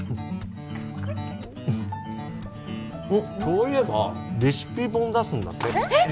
そういえばレシピ本出すんだってえっ！？